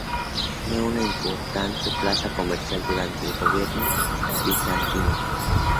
Fue una importante plaza comercial durante el gobierno bizantino.